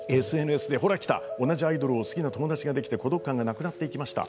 ＳＮＳで同じアイドルを好きな友達ができて孤独感がなくなってきました。